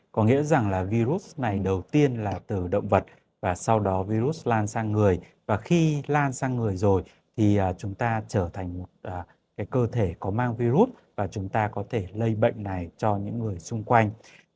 có nghĩa rằng là virus này đầu tiên là từ động vật và sau đó virus lan sang người và khi lan sang người rồi thì chúng ta trở thành một cơ thể có mang virus và chúng ta có thể lây bệnh này cho những người xung quanh